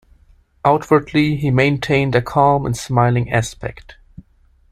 Outwardly, he maintained a calm and smiling aspect.